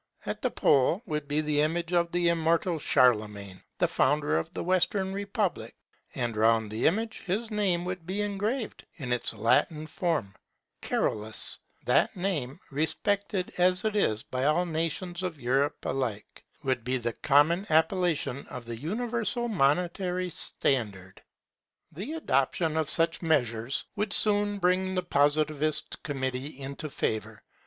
At the pole would be the image of the immortal Charlemagne, the founder of the Western Republic, and round the image his name would be engraved, in its Latin form, Carolus; that name, respected as it is by all nations of Europe alike, would be the common appellation of the universal monetary standard. [Occidental school] The adoption of such measures would soon bring the Positivist Committee into favour.